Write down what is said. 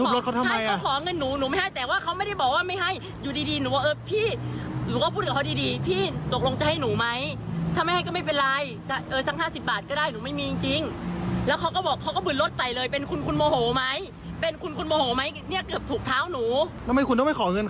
เราไม่ชัวร์ก็ไม่เป็นไรแต่อัีนี่เขามาบึนโรชใส่กระปบถูกเท้าน้วย